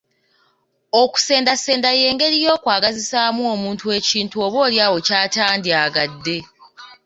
Okusendasenda y'engeri y'okwagazisaamu omuntu ekintu oboolyawo ky'atandyagadde.